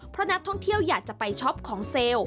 เพราะนักท่องเที่ยวอยากจะไปช็อปของเซลล์